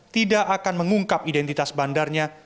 tidak akan mengungkap identitas bandarnya